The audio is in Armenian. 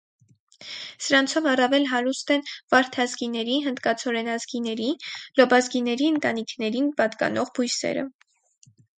Սրանցով առավել հարուստ են վարդազգիների, հնդկացորենազգիների, լոբազգիների ընտանիքներին պատկանըղ բույսերը։